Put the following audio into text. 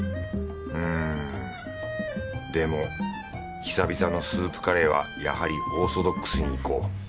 うんでも久々のスープカレーはやはりオーソドックスにいこう